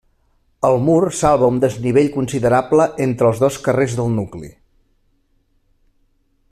El mur salva un desnivell considerable entre els dos carrers del nucli.